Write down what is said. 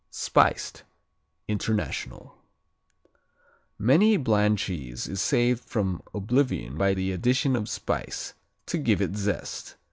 Spiced International Many a bland cheese is saved from oblivion by the addition of spice, to give it zest.